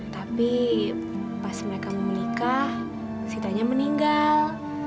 tapi pas mereka mau menikah sitanya meninggal